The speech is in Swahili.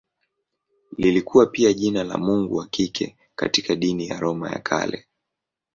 Lilikuwa pia jina la mungu wa kike katika dini ya Roma ya Kale.